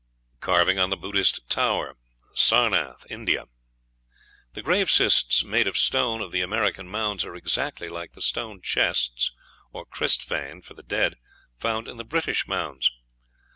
CARVING ON THE BUDDHIST TOWER, SARNATH, INDIA The grave cists made of stone of the American mounds are exactly like the stone chests, or kistvaen for the dead, found in the British mounds.